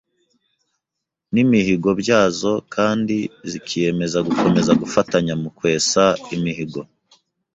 n’imihigo byazo kandi zikiyemeza gukomeza gufatanya mu kwesa imihigo.